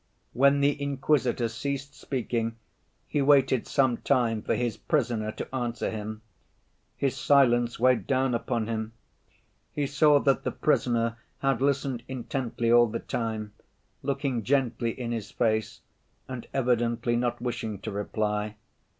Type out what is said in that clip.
When the Inquisitor ceased speaking he waited some time for his Prisoner to answer him. His silence weighed down upon him. He saw that the Prisoner had listened intently all the time, looking gently in his face and evidently not wishing to reply.